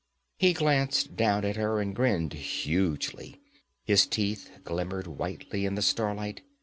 He glanced down at her and grinned hugely. His teeth glimmered whitely in the starlight.